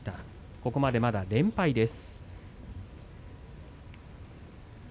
ここまで連敗です。